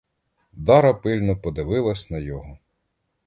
Дара пильно подивилась на його.